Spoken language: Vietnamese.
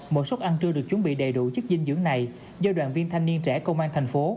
một số ăn trưa được chuẩn bị đầy đủ chức dinh dưỡng này do đoàn viên thanh niên trẻ công an tp hcm